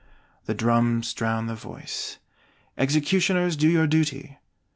The drums drown the voice. "Executioners, do your duty!"